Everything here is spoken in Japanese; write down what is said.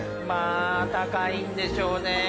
まぁ高いんでしょうね。